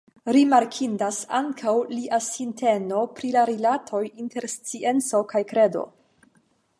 Rimarkindas ankaŭ lia sinteno pri la rilatoj inter scienco kaj kredo.